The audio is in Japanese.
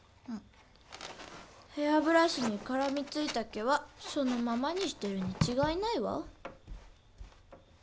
ヘアブラシに絡みついた毛はそのままにしてるに違いないわ。